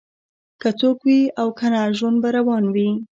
که څوک وي او کنه ژوند به روان وي